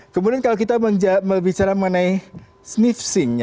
kemudian kalau kita bicara mengenai snipsing